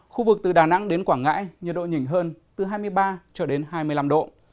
khu vực từ đà nẵng đến quảng ngãi nhiệt độ nhìn hơn từ hai mươi ba cho đến hai mươi năm độ